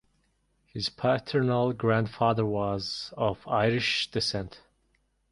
His paternal grandfather was of Irish descent.